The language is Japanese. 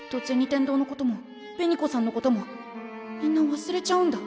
天堂のことも紅子さんのこともみんな忘れちゃうんだ。